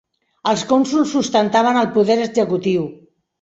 Els cònsols ostentaven el poder executiu.